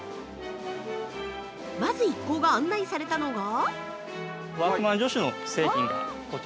まず一行が案内されたのは◆